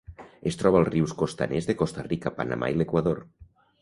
Es troba als rius costaners de Costa Rica, Panamà i l'Equador.